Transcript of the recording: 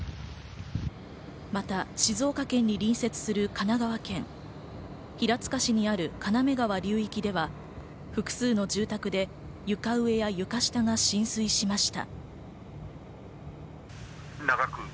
また静岡県に隣接する神奈川県平塚市にある金目川流域では複数の住宅で床上や床下の浸水しました。